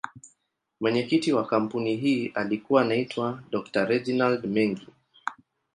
Mwenyekiti wa kampuni hii alikuwa anaitwa Dr.Reginald Mengi.